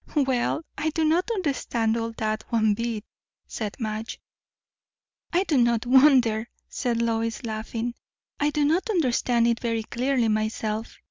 "Well, I do not understand all that one bit!" said Madge. "I do not wonder," said Lois, laughing, "I do not understand it very clearly myself.